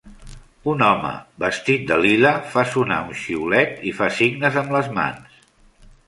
Un home vestit de lila fa sonar un xiulet i fa signes amb les mans.